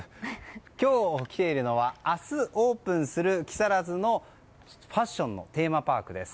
今日来ているのは明日オープンする、木更津のファッションのテーマパークです。